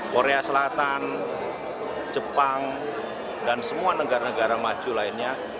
korea selatan jepang dan semua negara negara maju lainnya